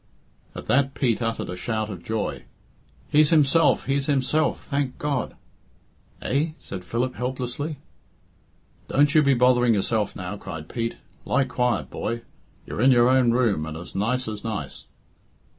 At that Pete uttered a shout of joy. "He's himself! He's himself! Thank God!" "Eh?" said Philip helplessly. "Don't you be bothering yourself now," cried Pete. "Lie quiet, boy; you're in your own room, and as nice as nice."